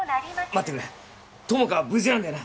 待ってくれ友果は無事なんだよな？